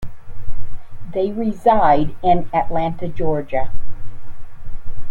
They reside in Atlanta, Georgia.